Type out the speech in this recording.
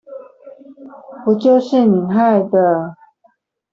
不就是你害的